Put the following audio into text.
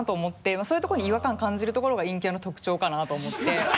そういうところに違和感感じるところが陰キャの特徴かなと思って。